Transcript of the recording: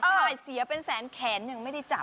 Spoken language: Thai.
ใช่เสียเป็นแสนแขนยังไม่ได้จับ